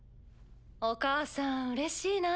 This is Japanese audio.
お母さんうれしいな。